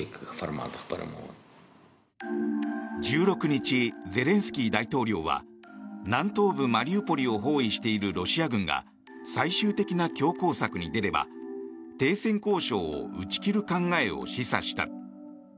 １６日、ゼレンスキー大統領は南東部マリウポリを包囲しているロシア軍が最終的な強硬策に出れば停戦交渉を打ち切る考えを示唆した。